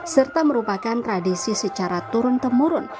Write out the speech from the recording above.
serta merupakan tradisi secara turun temurun